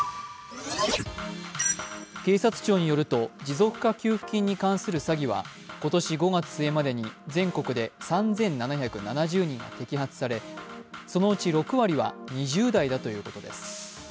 警察庁によると持続化給付金に関する詐欺は今年５月末までに全国で３７７０人が摘発されそのうち６割は２０代だということです。